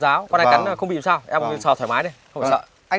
rắn ráo con này cắn không bị sao em không bị sợ thoải mái